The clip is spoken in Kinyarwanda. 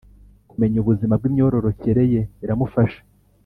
kumenya ubuzima bw’imyororokere ye biramufasha,